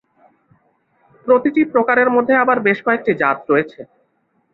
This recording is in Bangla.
প্রতিটি প্রকারের মধ্যে আবার বেশ কয়েকটি জাত রয়েছে।